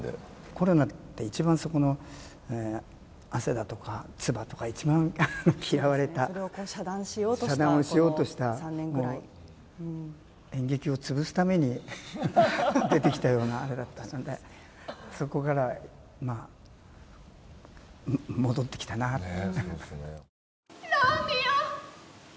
コロナって一番、そこの汗だとか唾とか一番嫌われた遮断をしようとした演劇をつぶすために出てきたようなあれだったので、そこから戻ってきたなって。